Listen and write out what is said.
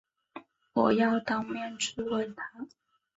我要当面质问他